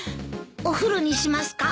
お風呂にしますか？